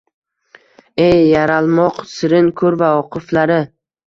Ey yaralmoq sirin ko’r voqiflari